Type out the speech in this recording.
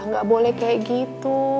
enggak boleh kayak gitu